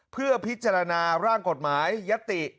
เพื่อพิจารณาร่างกฎหมายยติ